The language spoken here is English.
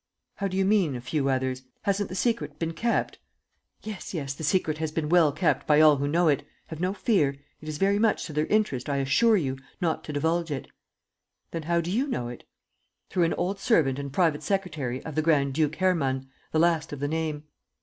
"How do you mean, a few others? Hasn't the secret been kept?" "Yes, yes, the secret has been well kept by all who know it. Have no fear; it is very much to their interest, I assure you, not to divulge it." "Then how do you know it?" "Through an old servant and private secretary of the Grand duke Hermann, the last of the name.